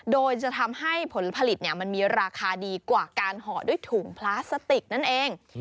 โดยจะทำให้ผลผลิตมันมีราคาดีกว่าการห่อด้วยถุงพลาสติกนั่นเอง